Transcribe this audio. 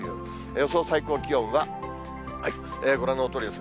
予想最高気温は、ご覧のとおりです。